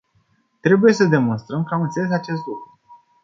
Trebuie să demonstrăm că am înțeles acest lucru.